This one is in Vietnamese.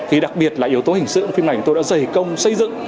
thì đặc biệt là yếu tố hình sự của phim này tôi đã dày công xây dựng